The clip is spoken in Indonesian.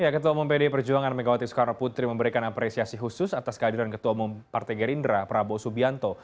ketua umum pdi perjuangan megawati soekarno putri memberikan apresiasi khusus atas kehadiran ketua umum partai gerindra prabowo subianto